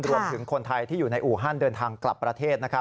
รวมถึงคนไทยที่อยู่ในอู่ฮันเดินทางกลับประเทศ